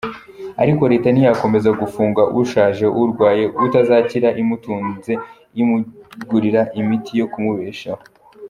Ariko Leta ntiyakomeza gufunga ushaje, urwaye utazakira imutunze, imugurira imiti yo kumubeshaho.